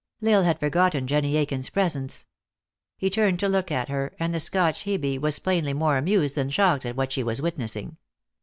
L Isle had forgotten Jenny Aiken s presence. He turned to look at her, and the Scotch Hebe was plain ly more amused than shocked at what she was wit nessing.